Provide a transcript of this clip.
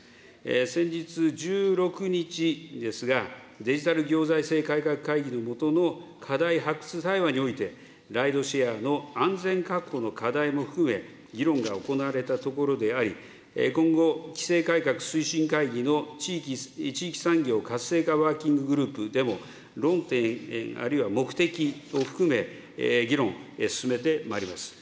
先日１６日ですが、デジタル行財政改革会議の下の課題発掘対話において、ライドシェアの安全確保の課題も含め、議論が行われたところであり、今後、規制改革推進会議の地域産業活性化ワーキンググループでも論点あるいは目的を含め、議論、進めてまいります。